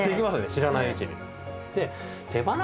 知らないうちに。